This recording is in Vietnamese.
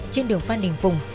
trên đường phan đình phùng